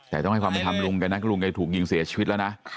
แต่ต้องให้ความไม่ทำลุงกันนะลุงกันถูกยิงเสียชีวิตแล้วนะ